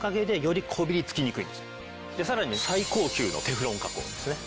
さらに最高級のテフロン加工ですね。